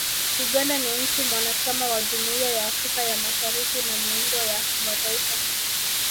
Uganda ni nchi mwanachama wa Jumuiya ya Afrika ya Mashariki na miundo ya kimataifa